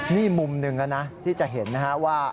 นี่มุมหนึ่งนะที่จะเห็นนะฮะว่า